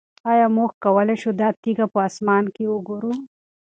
آیا موږ کولی شو دا تیږه په اسمان کې وګورو؟